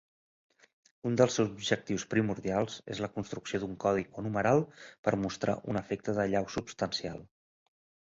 Un dels seus objectius primordials és la construcció d'un codi o numeral per mostrar un efecte d'allau substancial.